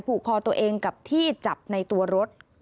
ผูกคอตัวเองกับที่จับในตัวรถ